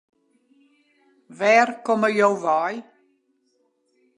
Wêr komme jo wei?